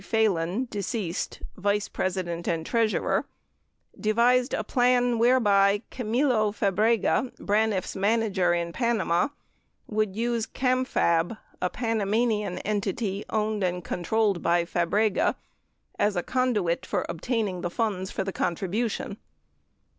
Phalen (deceased), vice president and treasurer, devised a plan whereby Camilo Fabrega, Braniff's manager in Panama, would use Camfab, a Panamanian en tity owned and controlled by Fabrega, as a conduit for obtaining the funds for the contribution.